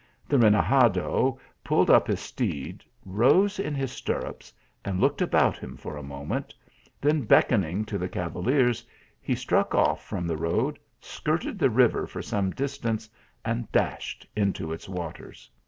The renegade pulled up his steed, rose in his stirrups and looked about him for a moment, then beckoning to the cavaliers he struck ofif from the road, skirted the river for some dis tance, and dashed into its waters.